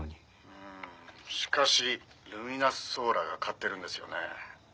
「うーんしかしルミナスソーラーが買ってるんですよね」